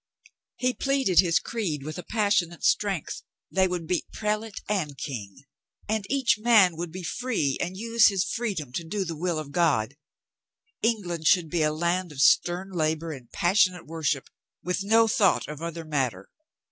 '" He pleaded his creed with a passionate strength. They would beat prelate and King, and each man should be free and use his freedom to do the will of God. England should be a land of stern labor and passionate worship, with no thought of other matter.